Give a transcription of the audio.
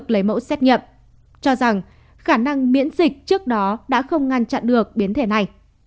lấy mẫu xét nghiệm cho rằng khả năng miễn dịch trước đó đã không ngăn chặn được biến thể này